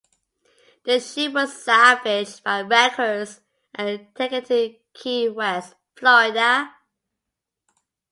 The ship was salvaged by wreckers and taken to Key West, Florida.